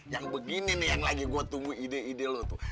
yang begini nih yang lagi gue tunggu ide ide lo tuh